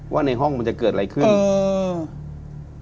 ว่าในห้องมันจะเกิดอะไรขึ้นอืม